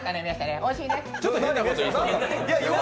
おいしいね？